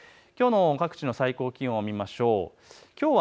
きょうの各地の最高気温を見ましょう。